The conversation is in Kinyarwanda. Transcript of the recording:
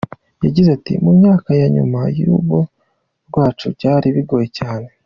Yagize ati “Mu myaka ya nyuma y’urugo rwacu, byari bigoye cyane.